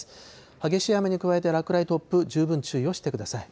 激しい雨に加えて落雷、突風、十分注意をしてください。